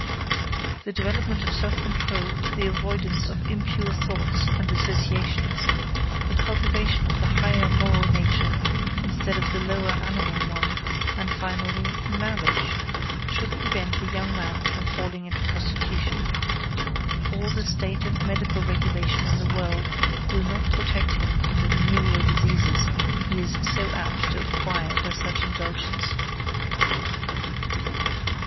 The development of self control, the avoidance of impure thoughts and associations, the cultivation of the higher moral nature instead of the lower animal one, and, finally, marriage, should prevent the young man from falling into prostitution. All the state and medical regulation in the world will not protect him from the venereal diseases he is so apt to acquire by such indulgence.